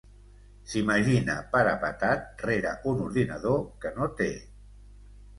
S'imagina parapetat rere un ordinador que no té.